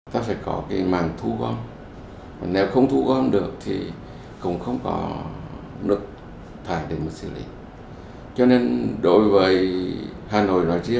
vì vậy nghiên cứu các giải pháp công nghệ nhằm xử lý hiệu quả nước thải bảo đảm các tiêu chuẩn cho phép khi thải ra môi trường